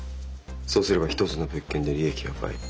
そうすれば１つの物件で利益は倍。